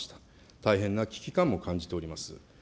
大変な危機感も感じております。